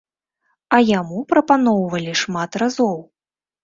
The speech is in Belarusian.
А яму прапаноўвалі шмат разоў.